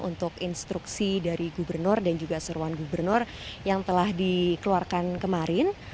untuk instruksi dari gubernur dan juga seruan gubernur yang telah dikeluarkan kemarin